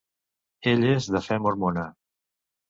Ell és de fe mormona.